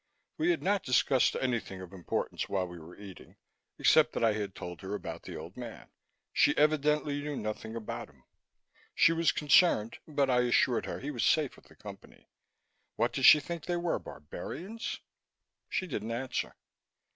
We had not discussed anything of importance while we were eating, except that I had told her about the old man; she evidently knew nothing about him. She was concerned, but I assured her he was safe with the Company what did she think they were, barbarians? She didn't answer.